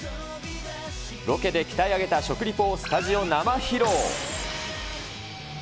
ロケで鍛え上げた食リポをスタジオ生披露。